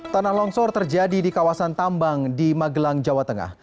tanah longsor terjadi di kawasan tambang di magelang jawa tengah